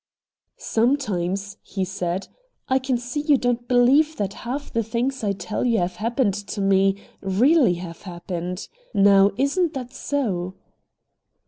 "Sometimes," he said, "I can see you don't believe that half the things I tell you have happened to me, really have happened. Now, isn't that so?"